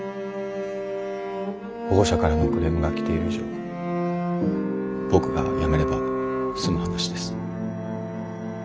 保護者からもクレームが来ている以上僕が辞めれば済む話です。